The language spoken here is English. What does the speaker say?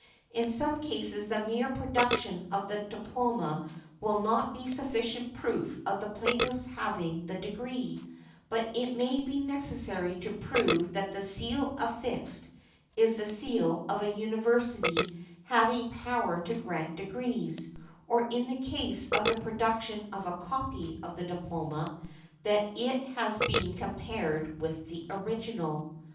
In some cases the mere production of the diploma will not be sufficient proof of the plaintiff's having the degree, but it may be necessary to prove that the seal affixed is the seal of a university having power to grant degrees; or in the case of the production of a copy of the diploma, that it has been compared with the original .